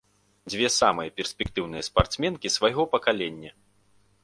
Дзве самыя перспектыўныя спартсменкі свайго пакалення.